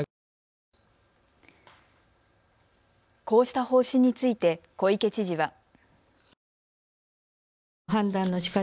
こうした方針について小池知事は。